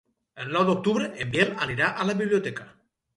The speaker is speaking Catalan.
El nou d'octubre en Biel anirà a la biblioteca.